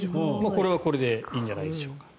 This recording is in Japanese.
これはこれでいいんじゃないでしょうか。